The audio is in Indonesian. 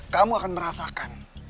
kamu akan merasakan